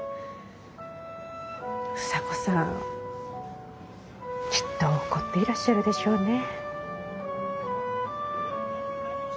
房子さんきっと怒っていらっしゃるでしょうね。